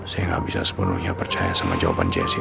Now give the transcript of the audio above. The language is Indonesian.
saya gak bisa sepenuhnya percaya sama jawaban jessy tadi